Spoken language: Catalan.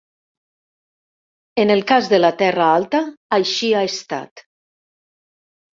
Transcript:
En el cas de la Terra alta així ha estat.